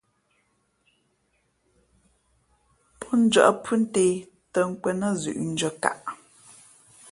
Pó njᾱʼ phʉ́ ntē tᾱ nkwēn nά zʉ̌ʼ ndʉ̄αkaʼ.